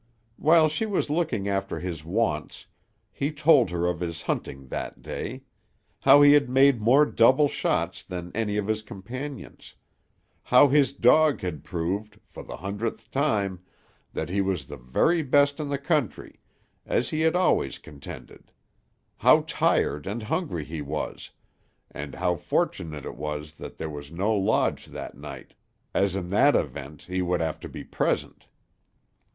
While she was looking after his wants, he told her of his hunting that day; how he had made more double shots than any of his companions; how his dog had proved, for the hundredth time, that he was the very best in the country, as he had always contended; how tired and hungry he was, and how fortunate it was that there was no lodge that night, as in that event he would have to be present.